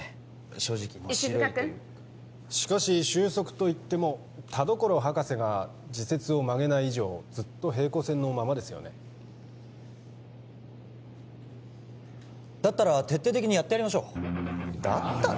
正直面白い石塚君しかし収束といっても田所博士が自説を曲げない以上ずっと平行線のままですよねだったら徹底的にやってやりましょう「だったら」？